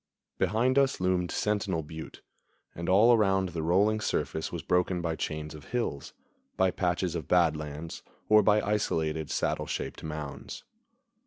Behind us loomed Sentinel Butte, and all around the rolling surface was broken by chains of hills, by patches of bad lands, or by isolated, saddle shaped mounds.